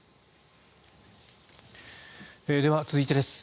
では、続いてです。